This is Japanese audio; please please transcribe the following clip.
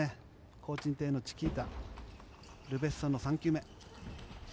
コウ・チンテイのチキータルベッソンの３球目。